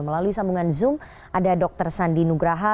melalui sambungan zoom ada dr sandi nugraha